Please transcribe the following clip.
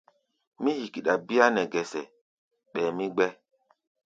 Mí hikiɗa bíá nɛ gɛsɛ, ɓɛɛ mí gbɛ́.